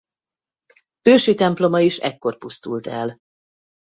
Ősi temploma is ekkor pusztult el.